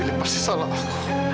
ini pasti salah aku